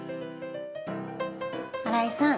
新井さん